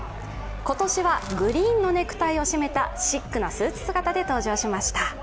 今年はグリーンのネクタイを締めたシックなスーツ姿で登場しました。